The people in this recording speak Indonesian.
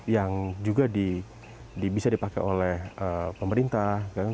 yang juga bisa dipakai oleh pemerintah